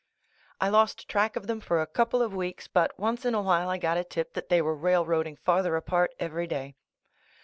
I lost track of them for a couple of weeks, but once in a while I got a tip that they were railroading farther apart every day.